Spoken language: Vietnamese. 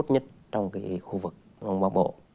tốt nhất trong cái khu vực bằng bộ